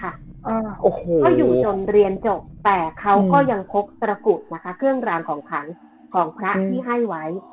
เขาอยู่จนเรียนจบแต่เขาก็ยังพกตระกุดนะคะเครื่องรางของขังของพระที่ให้ไว้